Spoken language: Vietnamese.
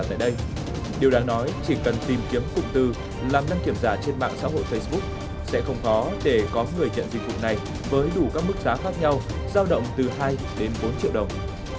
tại đây điều đáng nói chỉ cần tìm kiếm cụm từ làm đăng kiểm giả trên mạng xã hội facebook sẽ không khó để có người nhận dịch vụ này với đủ các mức giá khác nhau giao động từ hai đến bốn triệu đồng